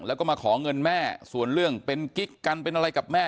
แล้วก็มาขอเงินแม่ส่วนเรื่องเป็นกิ๊กกันเป็นอะไรกับแม่